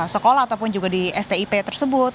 sekolah ataupun juga di stip tersebut